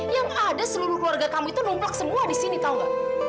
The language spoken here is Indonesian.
yang ada seluruh keluarga kamu itu numplak semua di sini tahu nggak